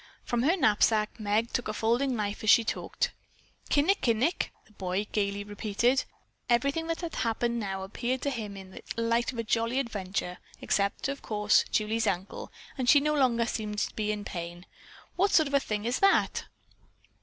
From her knapsack Meg took a folding knife as she talked. "Kinnikinick?" the boy gayly repeated. Everything that had happened now appeared to him in the light of a jolly adventure except, of course, Julie's ankle, and she no longer seemed to be in pain. "What sort of a thing is that?"